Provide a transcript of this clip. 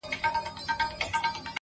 o هره شېبه،